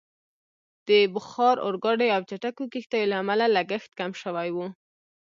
د بخار اورګاډي او چټکو کښتیو له امله لګښت کم شوی وو.